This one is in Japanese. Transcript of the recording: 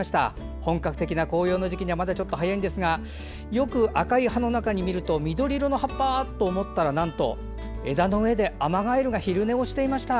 本格的な紅葉の時期にはまだちょっと早いですがよく赤い葉の中に見ると緑色の葉っぱ？と思ったらなんと枝の上でアマガエルが昼寝をしていました。